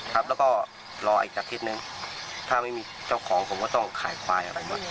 ครับแล้วก็รออีกอาทิตย์นึงถ้าไม่มีเจ้าของผมก็ต้องขายควายอะไรด้วย